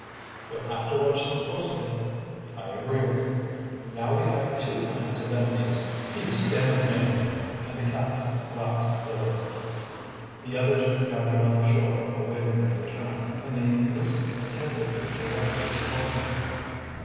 "We'll have to watch them closely." "I agree with you. Now we have two kinds of enemies beasts and men," and the captain laughed bitterly. The others were gathered on the shore awaiting their return, and they listened attentively to what was told them.